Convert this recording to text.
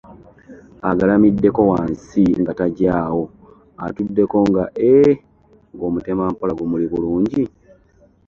Agalamiddeko nga wansi tagyawo; atuddeko nga, eee; ng'omutemampola gumuli bulungi!